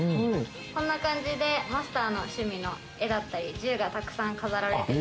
こんな感じでマスターの趣味の絵だったり、銃が沢山飾られている。